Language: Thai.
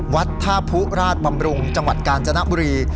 วัดท่าผู้ราชบำรุงจังหวัดกาญจนบุรี